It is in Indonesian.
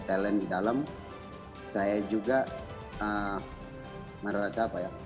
talent di dalam saya juga merasa apa ya